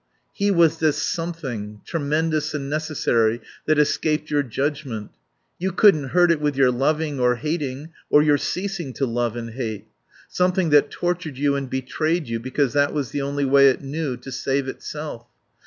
He was this Something, tremendous and necessary, that escaped your judgment. You couldn't hurt it with your loving or hating or your ceasing to love and hate. Something that tortured you and betrayed you because that was the only way it knew to save itself.